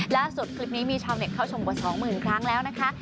คลิปนี้มีชาวเน็ตเข้าชมกว่าสองหมื่นครั้งแล้วนะคะ